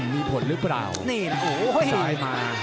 มีผลหรือเปล่านี่โอ้โห